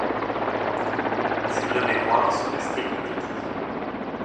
Ces deux Mémoires sont restés inédits.